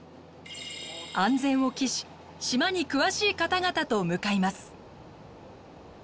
安全を期し島に詳しい方々と向かいます。